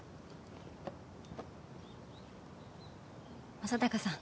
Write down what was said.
正隆さん